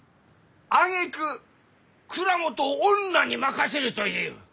あげく蔵元を女に任せると言いゆう！